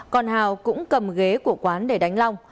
còn hào cũng cầm ghế của quán để đánh long